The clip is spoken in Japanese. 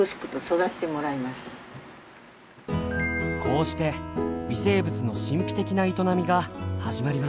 こうして微生物の神秘的な営みが始まります。